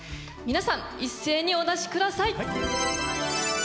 皆さん一斉にお出し下さい。